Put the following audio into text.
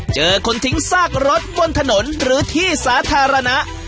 เจอคนทิ้งซากรถบนถนนหรือที่สาธารณะ